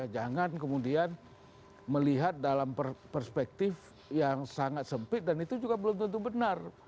jangan kemudian melihat dalam perspektif yang sangat sempit dan itu juga belum tentu benar